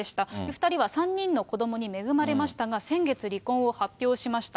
２人は３人の子どもに恵まれましたが、先月離婚を発表しました。